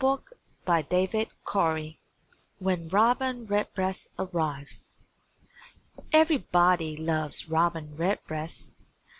WHEN ROBIN RED BREAST ARRIVES Everybody loves Robin Redbreast.